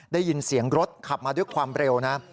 ได้ยินเสียงรถขับมาด้วยความเร็วนะ